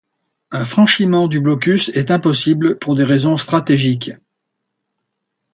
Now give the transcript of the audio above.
Un franchissement du blocus est impossible pour des raisons stratégiques.